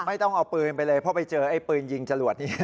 ต้องเอาปืนไปเลยเพราะไปเจอไอ้ปืนยิงจรวดนี้